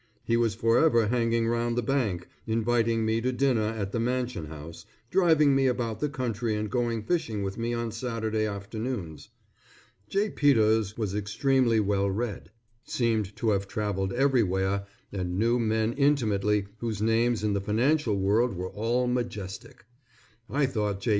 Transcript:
He was forever hanging round the bank, inviting me to dinner at the Mansion House, driving me about the country and going fishing with me on Saturday afternoons. J. Peters was extremely well read, seemed to have traveled everywhere, and knew men intimately whose names in the financial world were all majestic. I thought J.